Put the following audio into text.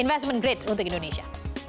investment great untuk indonesia